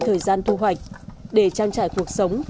thời gian thu hoạch để trang trải cuộc sống